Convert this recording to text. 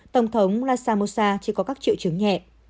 tổng thống lashamosa chỉ có các triệu chứng nhẹ